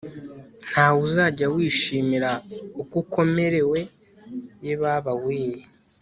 ntawe uzajya wishimira uko ukomerewe, yebaba we